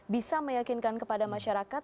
bisa meyakinkan kepada masyarakat